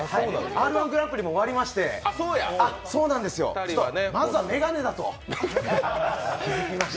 Ｒ−１グランプリも終わりまして、まずは眼鏡だと気づきまして。